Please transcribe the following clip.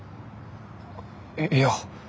いや。